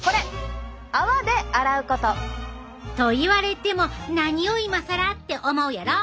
「泡で洗うこと！」。と言われても何を今更って思うやろ？